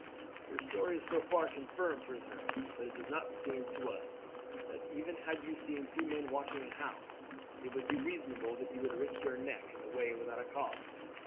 "Your story is so far confirmed, prisoner; but it does not seem to us that even had you seen two men watching a house it would be reasonable that you would risk your neck in this way without cause.